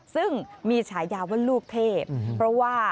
ซึ่งมีฉายาว่าลูกเทพเพราะว่า